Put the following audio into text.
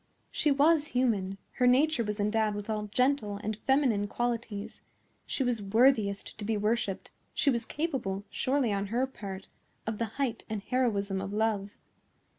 She was human; her nature was endowed with all gentle and feminine qualities; she was worthiest to be worshipped; she was capable, surely, on her part, of the height and heroism of love.